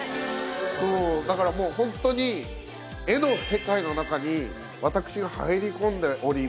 だからもう本当に絵の世界の中に私が入り込んでおります。